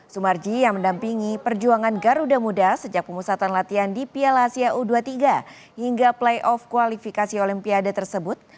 sumarji yang mendampingi perjuangan garuda muda sejak pemusatan latihan di piala asia u dua puluh tiga hingga playoff kualifikasi olimpiade tersebut